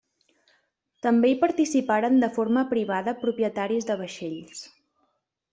També hi participaren de forma privada propietaris de vaixells.